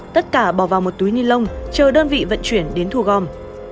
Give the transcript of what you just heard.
tất cả bỏ vào một túi nilon chờ đơn vị vận chuyển đến thù gom